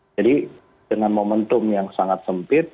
jadi dengan momentum yang sangat sempit